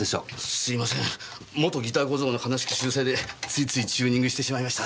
すいません元ギター小僧の悲しき習性でついついチューニングしてしまいました。